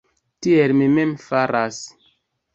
Tiel mi mem faras.